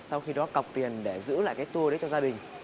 sau khi đó cọc tiền để giữ lại cái tour đấy cho gia đình